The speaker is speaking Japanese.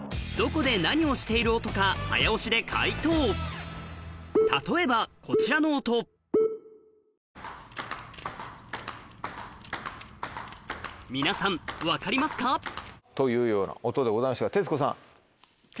続いては例えばこちらの音皆さん分かりますか？というような音でございましたが徹子さん。